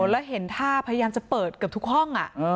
แล้วเห็นท่าพยายามจะเปิดเกือบทุกห้อง